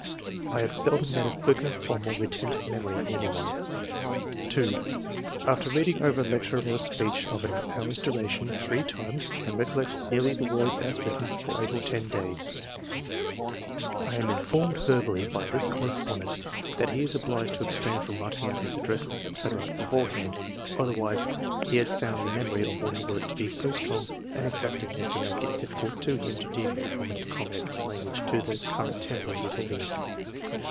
I have seldom met a quicker or more retentive memory in any one." 2. " After reading over a lecture or speech of an hour's duration, three times, can recollect nearly the words as written for 8 or 10 days." 110 ENGLISH MEN OF SCIENCE, [chap. [I am informed verbally by this correspondent, that he is obliged to abstain from writing out his addresses, &c., beforehand, otherwise he has found the memory of what he wrote to be so strong and exacting as to make it difficult to him to deviate from it and accommodate his language to the current temper of his audience.